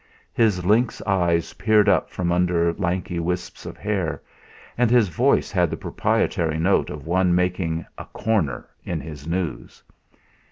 His lynx eyes peered up from under lanky wisps of hair, and his voice had the proprietary note of one making "a corner" in his news.